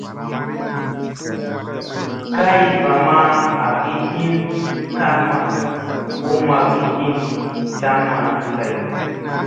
Kay va ma agi hin tamma u ma gi hin camma ɗi lay.